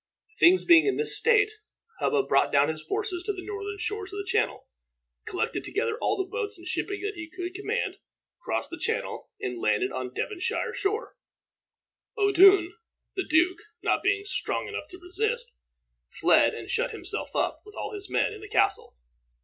Things being in this state, Hubba brought down his forces to the northern shores of the Channel, collected together all the boats and shipping that he could command, crossed the Channel, and landed on the Devonshire shore. Odun, the duke, not being strong enough to resist, fled, and shut himself up, with all his men, in the castle.